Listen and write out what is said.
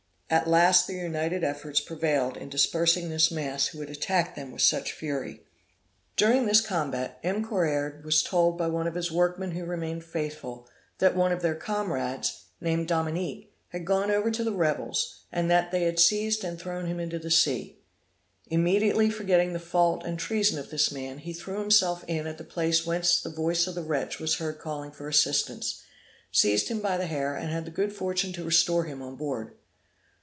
At last their united efforts prevailed in dispersing this mass who had attacked them with such fury. During this combat, M. Correard was told by one of his workmen who remained faithful, that one of their comrades, named Dominique, had gone over to the rebels, and that they had seized and thrown him into the sea. Immediately forgetting the fault and treason of this man, he threw himself in at the place whence the voice of the wretch was heard calling for assistance, seized him by the hair, and had the good fortune to restore him on board.